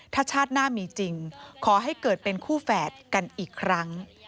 ถ้าชาติหน้ามีจริงขอให้เกิดเป็นคู่แฝดกันอีกครั้ง